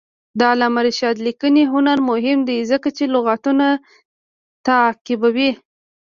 د علامه رشاد لیکنی هنر مهم دی ځکه چې لغتونه تعقیبوي.